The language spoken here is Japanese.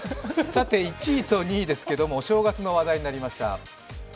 １位と２位ですけれども、お正月の話題となりました。